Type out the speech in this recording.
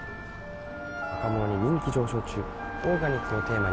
「若者に人気上昇中オーガニックをテーマに」